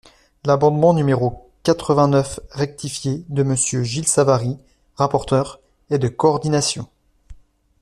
L’amendement numéro quatre-vingt-neuf rectifié de Monsieur Gilles Savary, rapporteur, est de coordination.